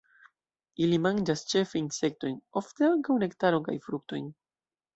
Ili manĝas ĉefe insektojn, ofte ankaŭ nektaron kaj fruktojn.